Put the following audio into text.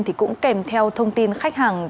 thì cũng kèm theo thông tin khách hàng